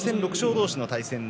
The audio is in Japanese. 同士の対戦。